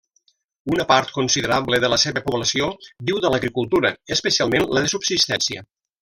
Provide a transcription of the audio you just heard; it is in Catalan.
Una part considerable de la seva població viu de l'agricultura, especialment la de subsistència.